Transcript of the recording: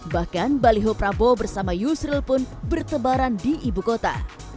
bahkan baliho prabowo bersama yusril pun bertebaran di ibu kota